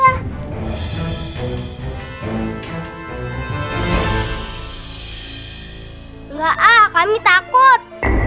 enggak ah kami takut